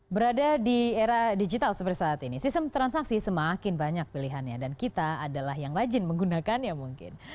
berada di era digital seperti saat ini sistem transaksi semakin banyak pilihannya dan kita adalah yang rajin menggunakannya mungkin